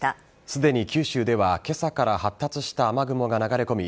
すでに九州では今朝から発達した雨雲が流れ込み